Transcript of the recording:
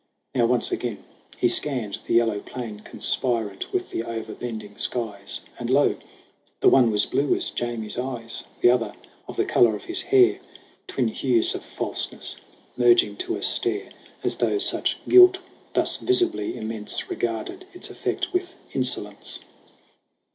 Now once again he scanned the yellow plain, Conspirant with the overbending skies ; And lo, the one was blue as Jamie's eyes, The other of the color of his hair Twin hues of falseness merging to a stare, As though such guilt, thus visibly immense, Regarded its effect with insolence